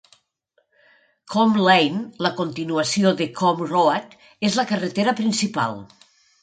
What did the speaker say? Coombe Lane, la continuació de Coombe Road, és la carretera principal.